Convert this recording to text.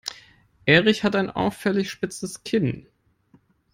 Erich hat ein auffällig spitzes Kinn.